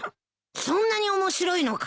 そんなに面白いのか？